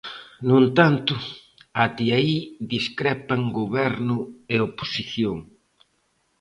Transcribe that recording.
No entanto, até aí discrepan goberno e oposición.